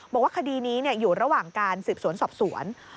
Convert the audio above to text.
บอกว่าคดีนี้อยู่ระหว่างการสืบสวนสอบสวน